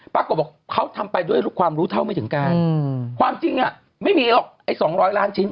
ปรากฏบอกเขาทำไปด้วยความรู้เท่าไม่ถึงการความจริงอ่ะไม่มีหรอกไอ้๒๐๐ล้านชิ้น